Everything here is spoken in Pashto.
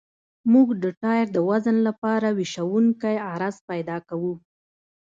موږ د ټایر د وزن لپاره ویشونکی عرض پیدا کوو